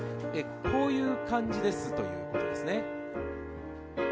こういう感じですということですね。